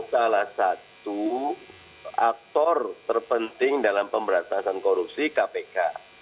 salah satu aktor terpenting dalam pemberantasan korupsi kpk